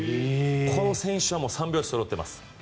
この選手は３拍子そろってます。